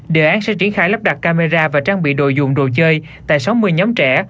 đề án sẽ triển khai lắp đặt camera và trang bị đồ dùng đồ chơi tại sáu mươi nhóm trẻ